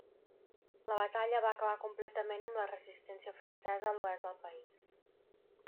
La batalla va acabar completament amb la resistència francesa a l'oest del país.